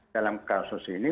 dalam kasus ini